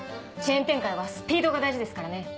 チェーン展開はスピードが大事ですからね。